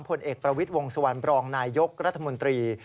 ผลเอกประวิทย์วงสุวรรณบรองนายยกรัฐมนตรี